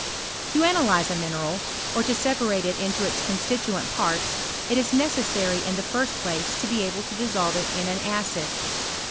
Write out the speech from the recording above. To analyze a mineral, or to sepamte it into its constituent parts, it is necessary in the first place, to be able to dissolve it in an acid.